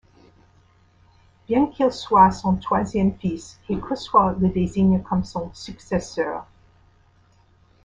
Bien qu'il soit son troisième fils, Kay Khusraw le désigne comme son successeur.